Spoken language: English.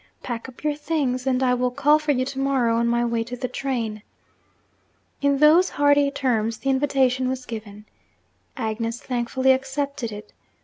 Pack up your things, and I will call for you to morrow on my way to the train.' In those hearty terms the invitation was given. Agnes thankfully accepted it.